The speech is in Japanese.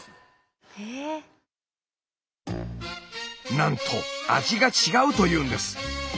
なんと味が違うと言うんです。